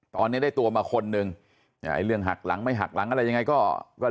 ตอนนี้ได้ตัวมาคนนึงเรื่องหักหลังไม่หักหลังอะไรยังไงก็ก็